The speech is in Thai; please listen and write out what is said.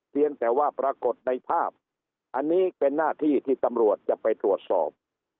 เพียงแต่ว่าปรากฏในภาพอันนี้เป็นหน้าที่ที่ตำรวจจะไปตรวจสอบ